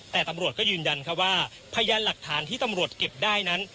แต่ตำรวจก็ยืนยันว่าพยานหลักฐานที่ตำรวจเก็บได้นั้น